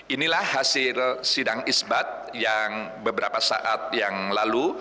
inilah hasil sidang isbat yang beberapa saat yang lalu